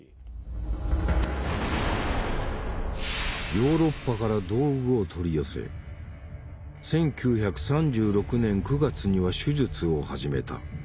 ヨーロッパから道具を取り寄せ１９３６年９月には手術を始めた。